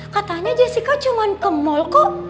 katanya jessica cuma ke mal kok